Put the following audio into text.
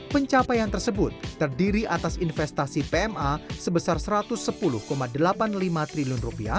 pencapaian tersebut terdiri atas investasi pma sebesar rp satu ratus sepuluh delapan puluh lima triliun